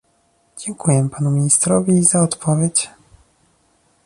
Dziękuję panu ministrowi za odpowiedź